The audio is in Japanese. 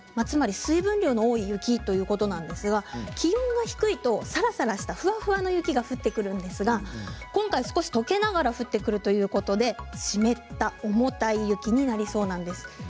つまり水分量の多い雪ということなんですが気温が低いとさらさらとしたふわふわした雪が降ってくるんですが今回少し、とけながら降ってくるということで湿った重たい雪になりそうです。